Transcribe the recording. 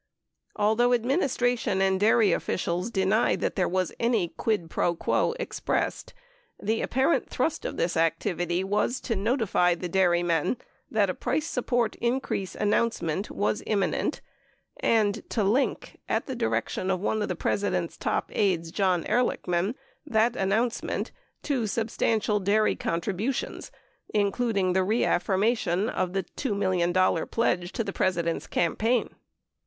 Although administration and dairy officials deny that, there was any quid fro quo expressed, the apparent thrust of this activity Avas to notify the dairymen that a price support increase announcement was imminent and to link — at the direction of one of the President's top aides, John Ehrlich man — that announcement to substantial dairy contributions includ ing the reaffirmation of the $2 million pledge to the President's campaign.